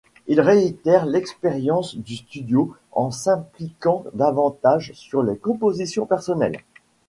Il réitère l'expérience du studio en s'impliquant davantage sur des compositions personnelles.